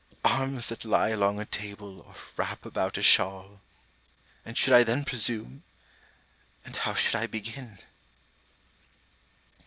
Arms that lie along a table, or wrap about a shawl. And should I then presume? And how should I begin?